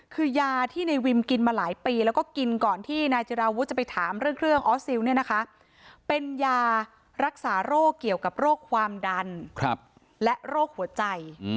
คือยาที่ในวิมกินมาหลายปีแล้วก็กินก่อนที่นายจิราวุฒิจะไปถามเรื่องเครื่องออสซิลเนี่ยนะคะเป็นยารักษาโรคเกี่ยวกับโรคความดันและโรคหัวใจ